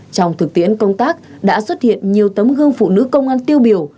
trong thực tiễn công tác đã xuất hiện nhiều tấm gương phụ nữ công an tiêu biểu